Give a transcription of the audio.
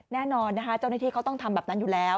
แน่นอนนะคะเจ้าหน้าที่เขาต้องทำแบบนั้นอยู่แล้ว